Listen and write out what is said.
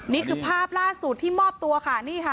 นี่คือภาพล่าสุดที่มอบตัวค่ะนี่ค่ะ